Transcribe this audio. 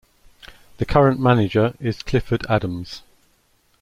The current manager is Clifford Adams.